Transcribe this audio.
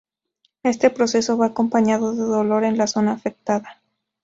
Este proceso va acompañado de dolor en la zona afectada.